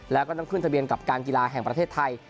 แล้วก็ต้องขึ้นทะเบียนกับการกีฬาแห่งประเทศไทย